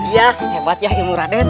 iya hebat ya ilmu raden